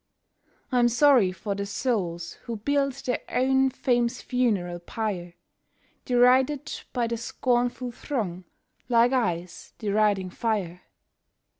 I'm sorry for the souls who build their own fame's funeral pyre, Derided by the scornful throng like ice deriding fire.